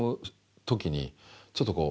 ちょっとこう。